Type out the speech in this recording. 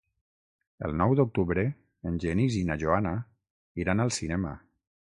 El nou d'octubre en Genís i na Joana iran al cinema.